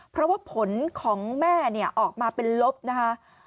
เพราะว่าผลของแม่เนี่ยออกมาเป็นลบนะคะ